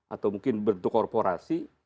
atau mungkin bentuk korporasi